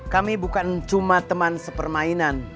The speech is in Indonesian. kami bukan cuma teman sepermainan